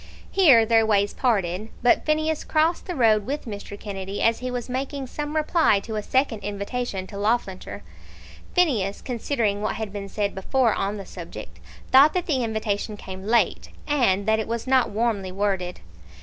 Here their ways parted, but Phineas crossed the road with Mr. Kennedy, as he was making some reply to a second invitation to Loughlinter. Phineas, considering what had been said before on the subject, thought that the invitation came late, and that it was not warmly worded.